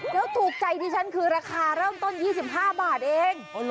แล้วถูกใจที่ฉันคือราคาเริ่มต้น๒๕บาทเอง